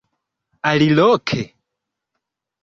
Aliloke?